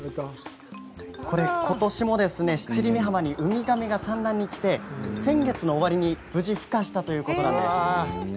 ことしも七里御浜にウミガメが産卵に来て先月の終わりに無事ふ化したということです。